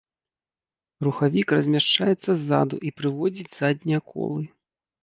Рухавік размяшчаецца ззаду і прыводзіць заднія колы.